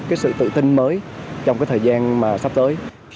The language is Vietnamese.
cái sự tự tin mới trong cái thời gian mà sắp tới